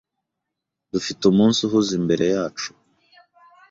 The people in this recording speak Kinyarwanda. Dufite umunsi uhuze imbere yacu.